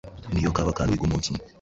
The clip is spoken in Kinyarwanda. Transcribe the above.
Niyo kaba akantu wiga umunsi umwe,